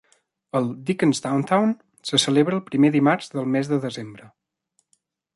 El "Dickens Downtown" se celebra el primer dimarts del mes de desembre.